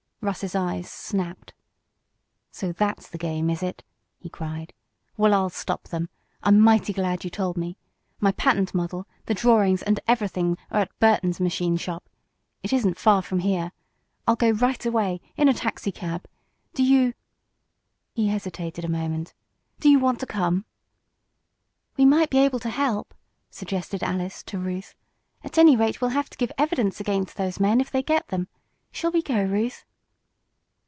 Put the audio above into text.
Russ's eyes snapped. "So that's the game; is it?" he cried. "Well, I'll stop them! I'm mighty glad you told me. My patent model, the drawings and everything are at Burton's machine shop. It isn't far from here. I'll go right away in a taxicab. Do you " he hesitated a moment. "Do you want to come?" "We might be able to help," suggested Alice to Ruth. "At any rate, we'll have to give evidence against those men if they get them. Shall we go, Ruth?"